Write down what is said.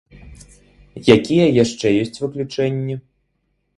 Якія яшчэ ёсць выключэнні?